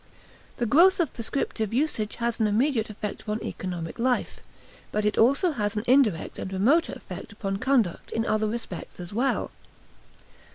This growth of prescriptive usage has an immediate effect upon economic life, but it has also an indirect and remoter effect upon conduct in other respects as well.